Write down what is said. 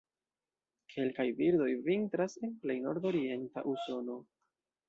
Kelkaj birdoj vintras en plej nordorienta Usono.